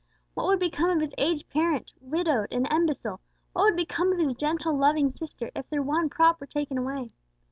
What would become of his aged parent, widowed and imbecile what would become of his gentle loving sister, if their one prop were taken away?